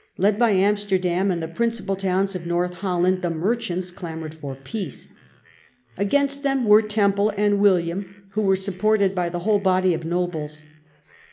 Led by Amsterdam and the principal tojyns of North Holland, the merchants clamoured for peace. Against them were Temple and William, who was supported by the whole William and body of nobles.